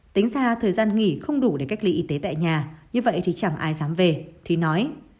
tính ra thời gian nghỉ không đủ để cách ly y tế tại nhà như vậy thì chẳng ai dám về thì nói